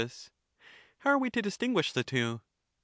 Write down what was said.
How are we to distinguish the two